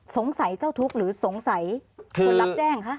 เจ้าทุกข์หรือสงสัยคนรับแจ้งคะ